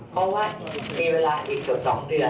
เพราะว่ามีเวลาอีกเกือบ๒เดือน